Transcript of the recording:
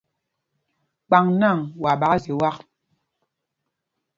Kpaŋ nǎŋ, waa ɓaka zye wak.